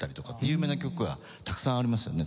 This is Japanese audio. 有名な曲はたくさんありますよね。